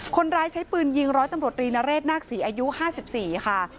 คนร้ายใช้ปืนยิงร้อยตำรวจรีนเรศนาคศรีอายุ๕๔ค่ะ